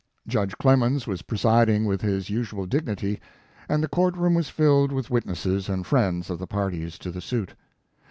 Judge Clemens was presiding with his usual dignity, and the court room was filled with witnesses and friends of the parties to the suit.